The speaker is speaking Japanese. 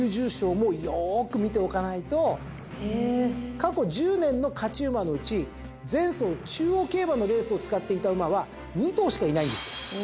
過去１０年の勝ち馬のうち前走中央競馬のレースを使っていた馬は２頭しかいないんです。